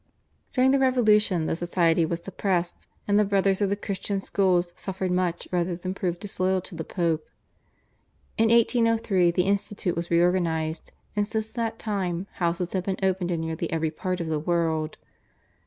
During the Revolution the society was suppressed, and the Brothers of the Christian Schools suffered much rather than prove disloyal to the Pope. In 1803 the institute was re organised, and since that time houses have been opened in nearly every part of the world.